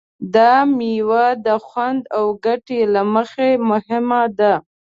دا مېوه د خوند او ګټې له مخې مهمه ده.